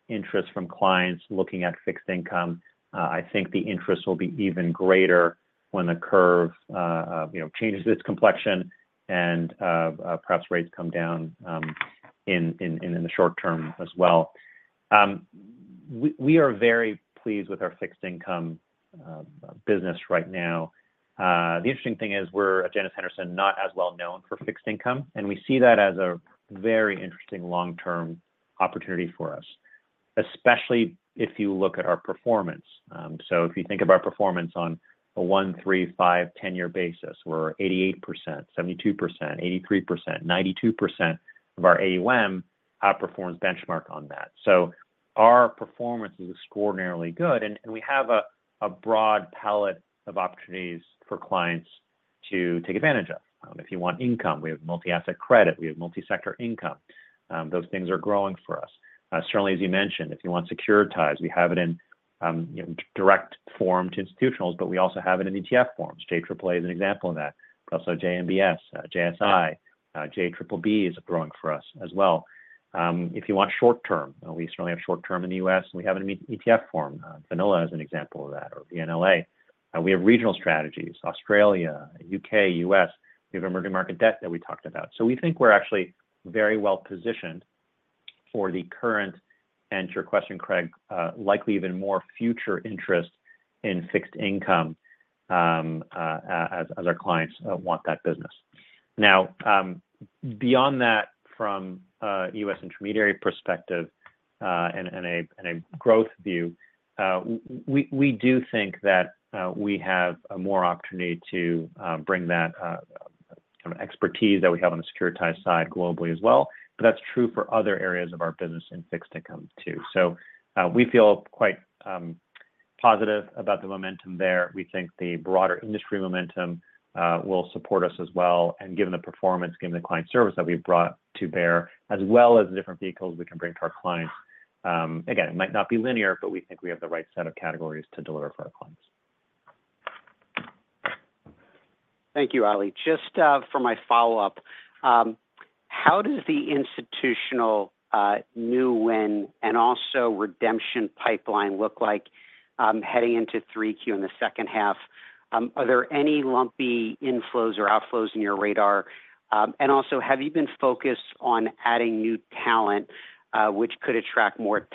interest from clients looking at fixed income. I think the interest will be even greater when the curve, you know, changes its complexion and perhaps rates come down in the short term as well. We are very pleased with our fixed income business right now. The interesting thing is we're, at Janus Henderson, not as well known for fixed income, and we see that as a very interesting long-term opportunity for us, especially if you look at our performance. So if you think of our performance on a one, three, five, ten-year basis, we're 88%, 72%, 83%, 92% of our AUM outperforms benchmark on that. So our performance is extraordinarily good, and we have a broad palette of opportunities for clients to take advantage of. If you want income, we have Multi-Asset Credit, we have Multi-Sector Income. Those things are growing for us. Certainly, as you mentioned, if you want securitized, we have it in direct form to institutionals, but we also have it in ETF forms. JAAA is an example of that, but also JMBS, JSI- Yeah. JBBB is growing for us as well. If you want short-term, we certainly have short-term in the U.S., and we have it in ETF form. Vanilla is an example of that, or VNLA. We have regional strategies, Australia, U.K., U.S. We have emerging market debt that we talked about. So we think we're actually very well positioned for the current, and to your question, Craig, likely even more future interest in fixed income, as our clients want that business. Now, beyond that from a U.S. intermediary perspective, and a growth view, we do think that we have more opportunity to bring that kind of expertise that we have on the securitized side globally as well, but that's true for other areas of our business in fixed income, too. So, we feel quite positive about the momentum there. We think the broader industry momentum will support us as well, and given the performance, given the client service that we've brought to bear, as well as the different vehicles we can bring to our clients, again, it might not be linear, but we think we have the right set of categories to deliver for our clients. Thank you, Ali. Just for my follow-up, how does the institutional new win and also redemption pipeline look like heading into 3Q in the second half? Are there any lumpy inflows or outflows in your radar? And also, have you been focused on adding new talent which could attract more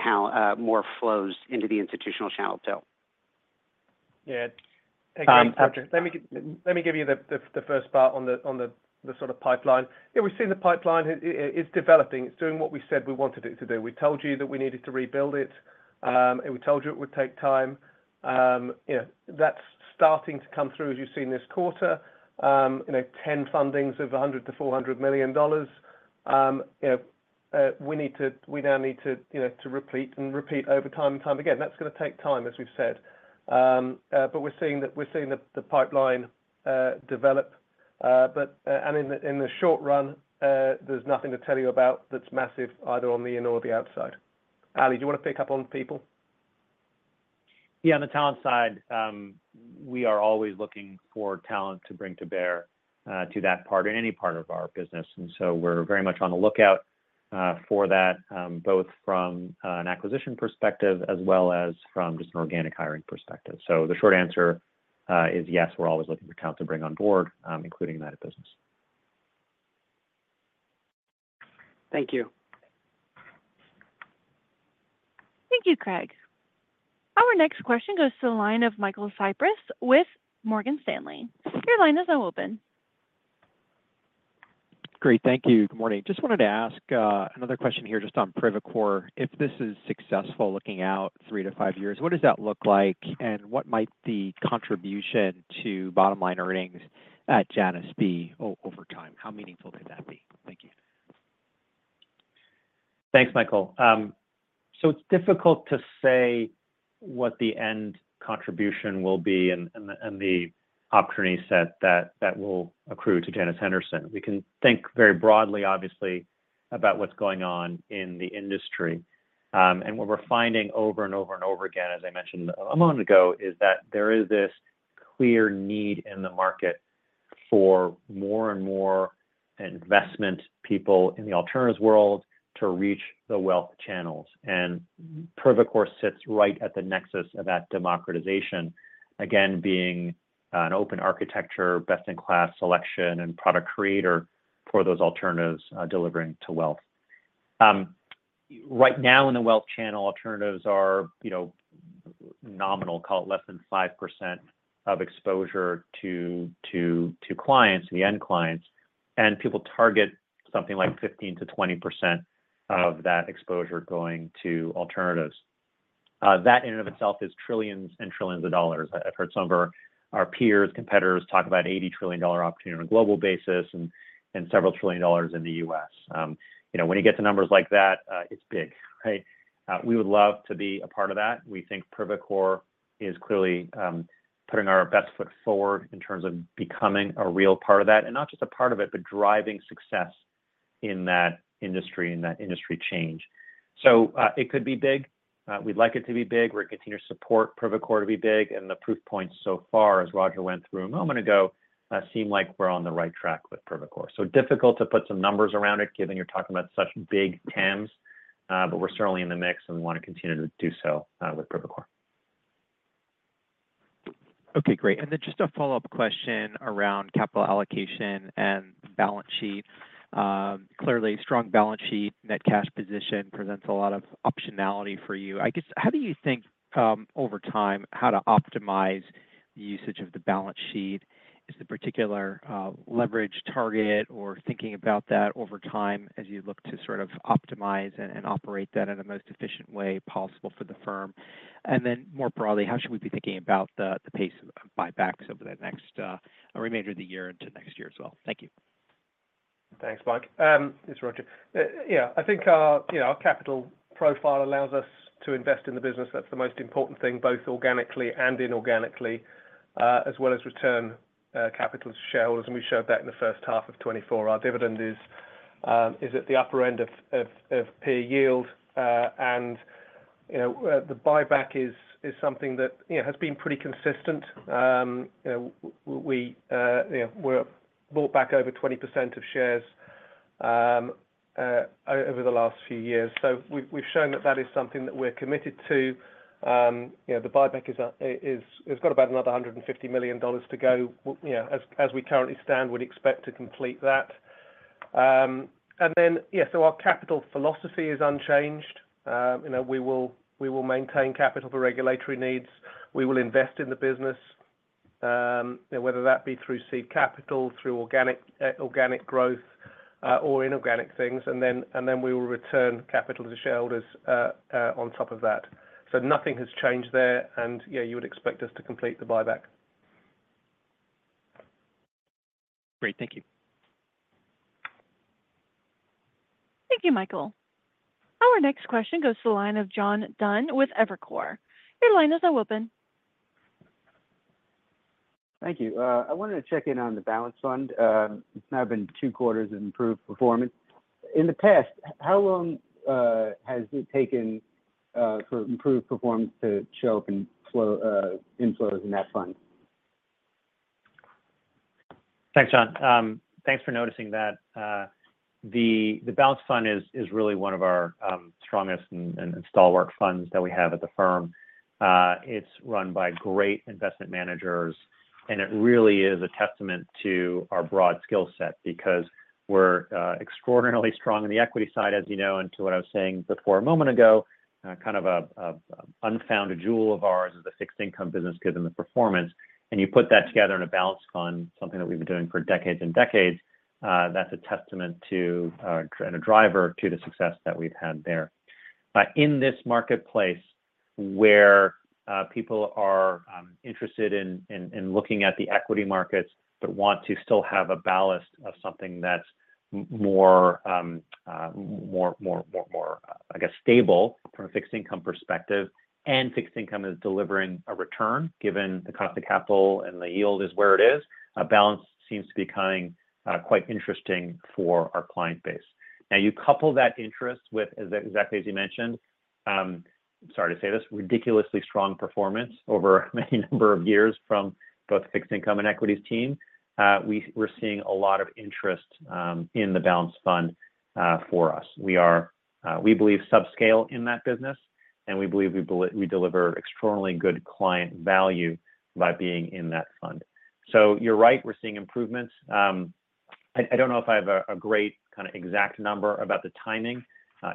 flows into the institutional channel too? Yeah. Um, after- Let me give you the first part on the sort of pipeline. Yeah, we've seen the pipeline, it's developing. It's doing what we said we wanted it to do. We told you that we needed to rebuild it, and we told you it would take time. You know, that's starting to come through, as you've seen this quarter. You know, 10 fundings of $100 million-$400 million. You know, we now need to, you know, to repeat and repeat over time and time again. That's gonna take time, as we've said. But we're seeing the pipeline develop. But in the short run, there's nothing to tell you about that's massive, either on the in or the outside. Ali, do you want to pick up on people? Yeah, on the talent side, we are always looking for talent to bring to bear, to that part, in any part of our business. And so we're very much on the lookout, for that, both from, an acquisition perspective, as well as from just an organic hiring perspective. So the short answer, is yes, we're always looking for talent to bring on board, including that business. Thank you. Thank you, Craig. Our next question goes to the line of Michael Cyprys with Morgan Stanley. Your line is now open. Great, thank you. Good morning. Just wanted to ask another question here just on Privacore's. If this is successful, looking out three to five years, what does that look like, and what might the contribution to bottom line earnings at Janus be over time? How meaningful could that be? Thank you. Thanks, Michael. So it's difficult to say what the end contribution will be and the opportunity set that will accrue to Janus Henderson. We can think very broadly, obviously, about what's going on in the industry. And what we're finding over and over and over again, as I mentioned a moment ago, is that there is this clear need in the market for more and more investment people in the alternatives world to reach the wealth channels. And Privacore sits right at the nexus of that democratization, again, being an open architecture, best-in-class selection, and product creator for those alternatives, delivering to wealth. Right now, in the wealth channel, alternatives are, you know, nominal, call it less than 5% of exposure to clients, the end clients, and people target something like 15%-20% of that exposure going to alternatives. That in and of itself is trillions and trillions of dollars. I've heard some of our peers, competitors talk about $80 trillion opportunity on a global basis, and several trillion dollars in the US. You know, when you get to numbers like that, it's big, right? We would love to be a part of that. We think Privacore is clearly putting our best foot forward in terms of becoming a real part of that, and not just a part of it, but driving success in that industry, in that industry change. So, it could be big. We'd like it to be big. We're continuing to support Privacore to be big, and the proof points so far, as Roger went through a moment ago, seem like we're on the right track with Privacore. So difficult to put some numbers around it, given you're talking about such big TAMs, but we're certainly in the mix, and we want to continue to do so, with Privacore.... Okay, great. And then just a follow-up question around capital allocation and balance sheet. Clearly, strong balance sheet, net cash position presents a lot of optionality for you. I guess, how do you think, over time, how to optimize the usage of the balance sheet? Is there a particular, leverage target or thinking about that over time as you look to sort of optimize and operate that in the most efficient way possible for the firm? And then, more broadly, how should we be thinking about the pace of buybacks over the next, or remainder of the year into next year as well? Thank you. Thanks, Mike. It's Roger. Yeah, I think our, you know, our capital profile allows us to invest in the business. That's the most important thing, both organically and inorganically, as well as return capital to shareholders, and we showed that in the first half of 2024. Our dividend is at the upper end of peer yield. And, you know, the buyback is something that, you know, has been pretty consistent. You know, we, you know, we're bought back over 20% of shares over the last few years. So we've shown that that is something that we're committed to. You know, the buyback is. It's got about another $150 million to go. You know, as we currently stand, we'd expect to complete that. And then, yeah, so our capital philosophy is unchanged. You know, we will- we will maintain capital for regulatory needs. We will invest in the business, you know, whether that be through seed capital, through organic, organic growth, or inorganic things, and then, and then we will return capital to shareholders, on top of that. So nothing has changed there. And yeah, you would expect us to complete the buyback. Great. Thank you. Thank you, Michael. Our next question goes to the line of John Dunn with Evercore. Your line is now open. Thank you. I wanted to check in on the Balanced Fund. It's now been two quarters of improved performance. In the past, how long has it taken for improved performance to show up in flows, inflows in that fund? Thanks, John. Thanks for noticing that. The Balanced Fund is really one of our strongest and stalwart funds that we have at the firm. It's run by great investment managers, and it really is a testament to our broad skill set because we're extraordinarily strong in the equity side, as you know, and to what I was saying before a moment ago, kind of an unfound jewel of ours is the fixed income business given the performance. And you put that together in a Balanced Fund, something that we've been doing for decades and decades, that's a testament to and a driver to the success that we've had there. But in this marketplace, where people are interested in looking at the equity markets, but want to still have a ballast of something that's more, I guess, stable from a fixed income perspective, and fixed income is delivering a return, given the cost of capital and the yield is where it is, a balance seems to be becoming quite interesting for our client base. Now, you couple that interest with, as exactly as you mentioned, sorry to say this, ridiculously strong performance over a many number of years from both fixed income and equities team, we're seeing a lot of interest in the Balanced Fund for us. We are, we believe, subscale in that business, and we believe we deliver extraordinarily good client value by being in that fund. So you're right, we're seeing improvements. I don't know if I have a great kind of exact number about the timing.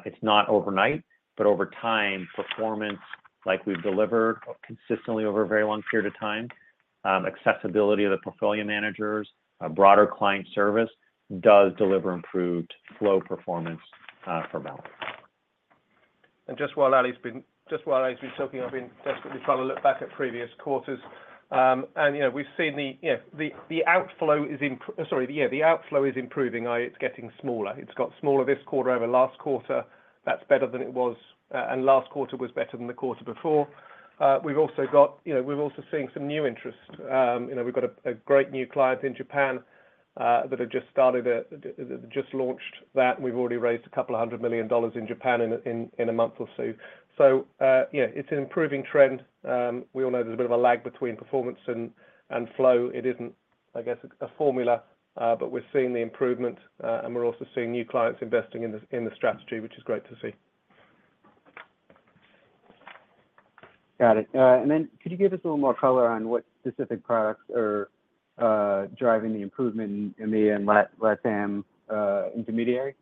It's not overnight, but over time, performance like we've delivered consistently over a very long period of time, accessibility of the portfolio managers, a broader client service, does deliver improved flow performance for Balance. Just while Ali's been talking, I've been desperately trying to look back at previous quarters. You know, we've seen the outflow is improving. Sorry, yeah, the outflow is improving, it's getting smaller. It's got smaller this quarter over last quarter. That's better than it was, and last quarter was better than the quarter before. We've also got, you know, we're also seeing some new interest. You know, we've got a great new client in Japan that have just started, just launched that, and we've already raised $200 million in Japan in a month or two. So, yeah, it's an improving trend. We all know there's a bit of a lag between performance and flow. It isn't, I guess, a formula, but we're seeing the improvement, and we're also seeing new clients investing in the strategy, which is great to see. Got it. And then could you give us a little more color on what specific products are driving the improvement in EMEA and LATAM intermediary?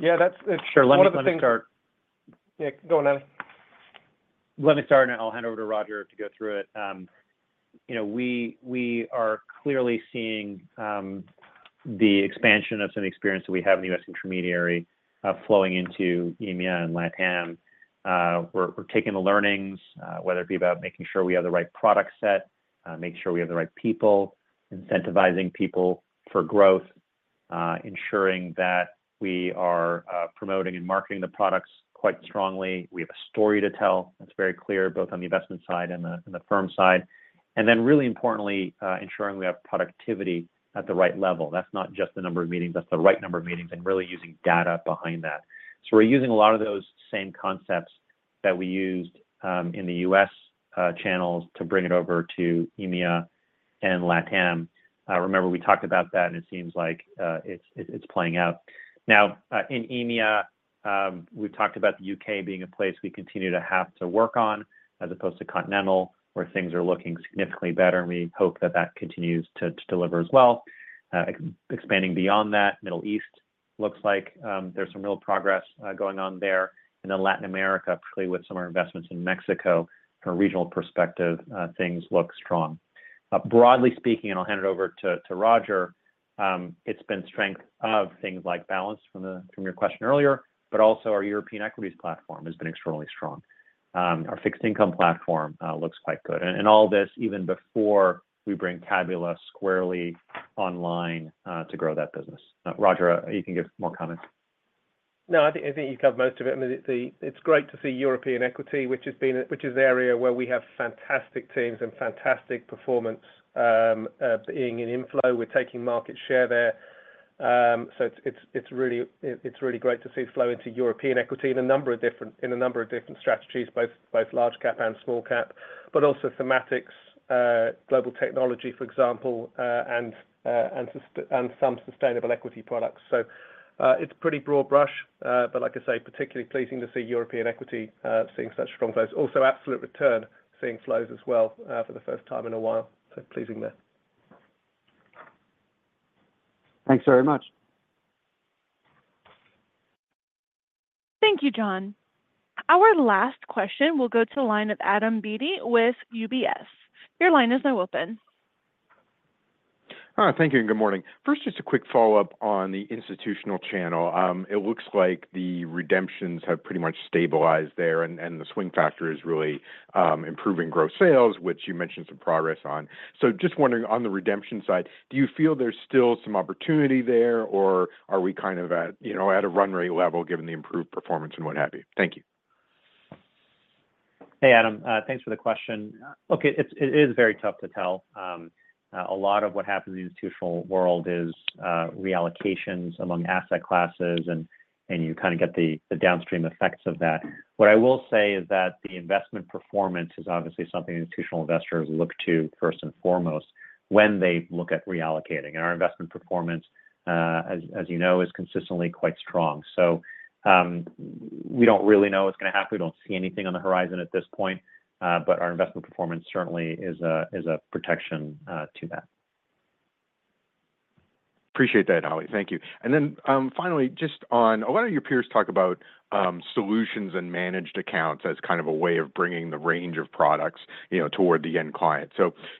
Yeah, that's. Sure. Let me start. Yeah, go on, Ali. Let me start, and I'll hand over to Roger to go through it. You know, we are clearly seeing the expansion of some experience that we have in the U.S. intermediary flowing into EMEA and LATAM. We're taking the learnings, whether it be about making sure we have the right product set, making sure we have the right people, incentivizing people for growth, ensuring that we are promoting and marketing the products quite strongly. We have a story to tell that's very clear, both on the investment side and the firm side. And then really importantly, ensuring we have productivity at the right level. That's not just the number of meetings, that's the right number of meetings, and really using data behind that. So we're using a lot of those same concepts that we used in the U.S. channels to bring it over to EMEA.... and LatAm. Remember we talked about that, and it seems like it's playing out. Now in EMEA, we've talked about the U.K. being a place we continue to have to work on, as opposed to continental, where things are looking significantly better, and we hope that that continues to deliver as well. Expanding beyond that, Middle East looks like there's some real progress going on there. And then Latin America, particularly with some of our investments in Mexico, from a regional perspective, things look strong. Broadly speaking, and I'll hand it over to Roger, it's been strength of things like balance from your question earlier, but also our European Equities Platform has been extremely strong. Our fixed income platform looks quite good. And all this, even before we bring Tabula squarely online, to grow that business. Roger, you can give more comments. No, I think, I think you covered most of it. I mean, it's great to see European Equity, which has been, which is the area where we have fantastic teams and fantastic performance, seeing an inflow. We're taking market share there. So it's really great to see flow into European Equity in a number of different, in a number of different strategies, both, both large cap and small cap, but also thematics, Global Technology, for example, and some Sustainable Equity Products. So, it's pretty broad brush, but like I say, particularly pleasing to see European Equity seeing such strong flows. Also, Absolute Return, seeing flows as well, for the first time in a while, so pleasing there. Thanks very much. Thank you, John. Our last question will go to the line of Adam Beatty with UBS. Your line is now open. Thank you and good morning. First, just a quick follow-up on the institutional channel. It looks like the redemptions have pretty much stabilized there, and the swing factor is really improving gross sales, which you mentioned some progress on. So just wondering, on the redemption side, do you feel there's still some opportunity there, or are we kind of at, you know, a run rate level, given the improved performance and what have you? Thank you. Hey, Adam, thanks for the question. Look, it is very tough to tell. A lot of what happens in the institutional world is reallocations among asset classes, and you kind of get the downstream effects of that. What I will say is that the investment performance is obviously something institutional investors look to first and foremost when they look at reallocating. And our investment performance, as you know, is consistently quite strong. So, we don't really know what's going to happen. We don't see anything on the horizon at this point, but our investment performance certainly is a protection to that. Appreciate that, Ali. Thank you. Then, finally, just on. A lot of your peers talk about solutions and managed accounts as kind of a way of bringing the range of products, you know, toward the end client.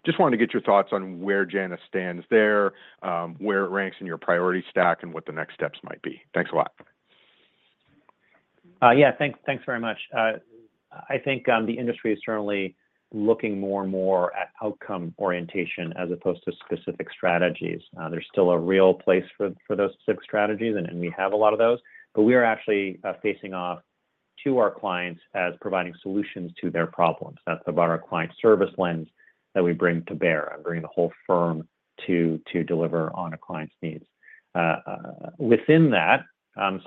Just wanted to get your thoughts on where Janus stands there, where it ranks in your priority stack, and what the next steps might be. Thanks a lot. Yeah, thanks very much. I think the industry is certainly looking more and more at outcome orientation as opposed to specific strategies. There's still a real place for those specific strategies, and we have a lot of those, but we are actually facing off to our clients as providing solutions to their problems. That's about our client service lens that we bring to bear and bringing the whole firm to deliver on a client's needs. Within that,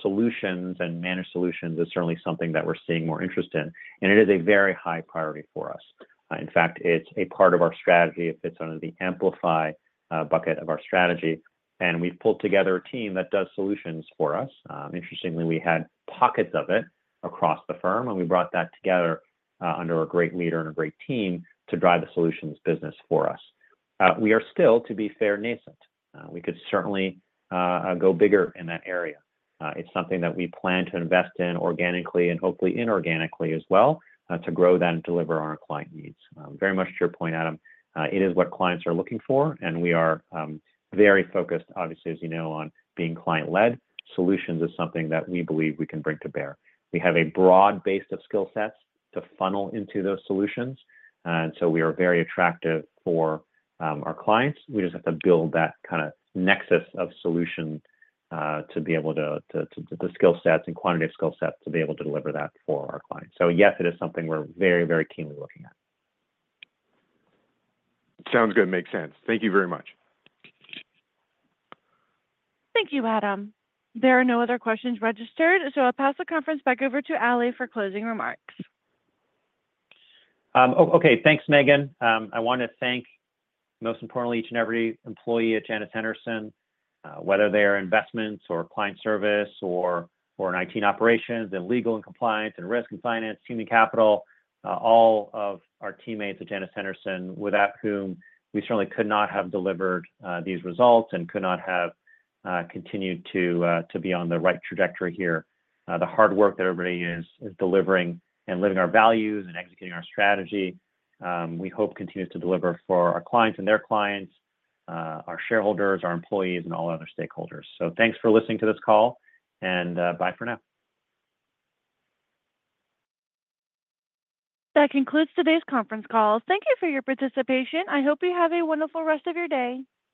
solutions and managed solutions is certainly something that we're seeing more interest in, and it is a very high priority for us. In fact, it's a part of our strategy. It fits under the amplify bucket of our strategy, and we've pulled together a team that does solutions for us. Interestingly, we had pockets of it across the firm, and we brought that together under a great leader and a great team to drive the solutions business for us. We are still, to be fair, nascent. We could certainly go bigger in that area. It's something that we plan to invest in organically and hopefully inorganically as well to grow that and deliver on our client needs. Very much to your point, Adam, it is what clients are looking for, and we are very focused, obviously, as you know, on being client-led. Solutions is something that we believe we can bring to bear. We have a broad base of skill sets to funnel into those solutions, and so we are very attractive for our clients. We just have to build that kind of nexus of solution to be able to, to the skill sets and quantitative skill set to be able to deliver that for our clients. So yes, it is something we're very, very keenly looking at. Sounds good. Makes sense. Thank you very much. Thank you, Adam. There are no other questions registered, so I'll pass the conference back over to Ali for closing remarks. Okay. Thanks, Megan. I want to thank, most importantly, each and every employee at Janus Henderson, whether they are investments or client service or IT operations, and legal and compliance, and risk and finance, human capital, all of our teammates at Janus Henderson, without whom we certainly could not have delivered these results and could not have continued to be on the right trajectory here. The hard work that everybody is delivering and living our values and executing our strategy, we hope continues to deliver for our clients and their clients, our shareholders, our employees, and all other stakeholders. So thanks for listening to this call, and bye for now. That concludes today's conference call. Thank you for your participation. I hope you have a wonderful rest of your day.